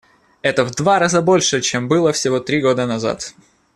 Это в два раза больше, чем было всего три года назад.